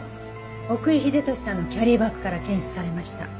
奥居秀俊さんのキャリーバッグから検出されました。